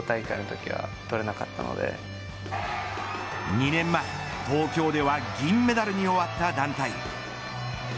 ２年前、東京では銀メダルに終わった団体。